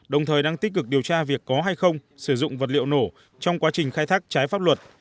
đồng thời đang tích cực điều tra việc có hay không sử dụng vật liệu nổ trong quá trình khai thác trái pháp luật